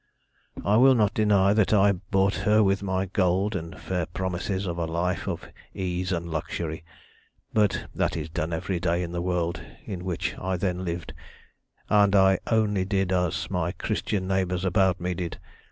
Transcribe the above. "I will not deny that I bought her with my gold and fair promises of a life of ease and luxury. But that is done every day in the world in which I then lived, and I only did as my Christian neighbours about me did.